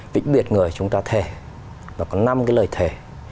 vĩnh biệt người chúng ta thể và có năm cái lời thề